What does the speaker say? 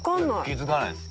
気づかないです